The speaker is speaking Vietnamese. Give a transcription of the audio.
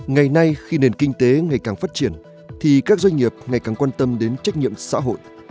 ngày nay khi nền kinh tế ngày càng phát triển thì các doanh nghiệp ngày càng quan tâm đến trách nhiệm xã hội